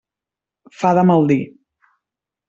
Fa de mal dir.